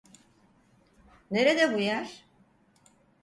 Nerede bu yer?